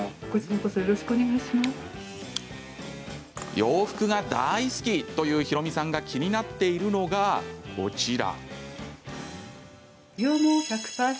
洋服が大好きというひろみさんが気になっているのが、こちら。